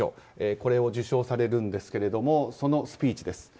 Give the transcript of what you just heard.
これを受賞されるんですけれどそのスピーチです。